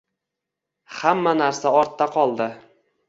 Hamma narsa ortda qoldi